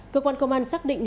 cơ quan công an xác định